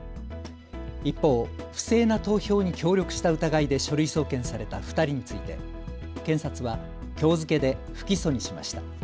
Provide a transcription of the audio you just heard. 一方、不正な投票に協力した疑いで書類送検された２人について検察はきょう付けで不起訴にしました。